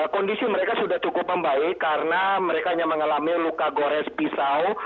kondisi mereka sudah cukup membaik karena mereka hanya mengalami luka gores pisau